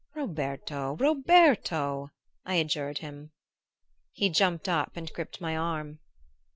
"Roberto! Roberto!" I adjured him. He jumped up and gripped my arm.